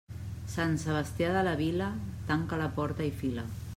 Sant Sebastià de la vila, tanca la porta i fila.